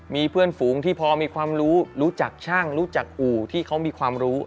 มีเพื่อนฝูงที่พอมีความรู้รู้จักช่างรู้จักอู่ที่เขามีความรู้